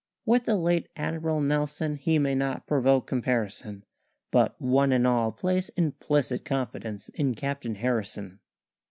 With the late Admiral Nelson he may not provoke comparison. But one and all place implicit confidence in Captain Harrison."